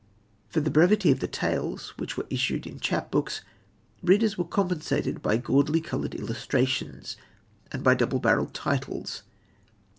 For the brevity of the tales, which were issued in chapbooks, readers were compensated by gaudily coloured illustrations and by double barrelled titles.